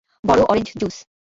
বড় orange juice.